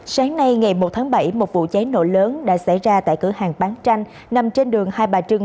sáng nay ngày một tháng bảy một vụ cháy nổ lớn đã xảy ra tại cửa hàng bán tranh nằm trên đường hai bà trưng